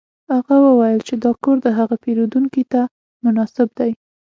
هغه وویل چې دا کور د هغه پیرودونکي ته مناسب دی